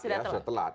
ya itu sudah telat